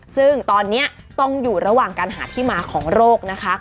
ซึ่งตอนนี้ต้องอยู่ระหว่างการหาที่มาของโรคนะคะ